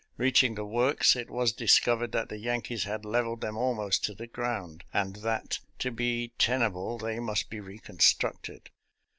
Beaching the works, it was discovered that the Yankees had leveled them almost to the ground, and that to be ten able they must be reconstructed.